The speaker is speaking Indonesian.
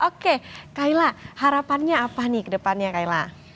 oke kaila harapannya apa nih kedepannya kaila